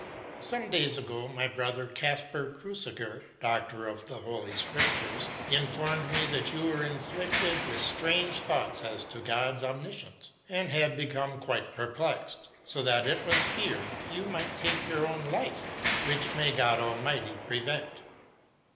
Some days ago, my brother, Caspar Cruciger, doctor of the Holy Scriptures, informed me that you were afflicted with strange thoughts as to God's omniscience, and had become quite perplexed, so that it was feared you might take your own life (which may God Almighty prevent).